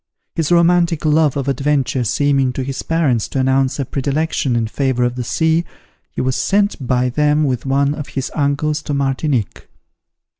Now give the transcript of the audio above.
His romantic love of adventure seeming to his parents to announce a predilection in favour of the sea, he was sent by them with one of his uncles to Martinique.